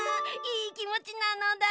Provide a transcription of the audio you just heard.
いいきもちなのだ！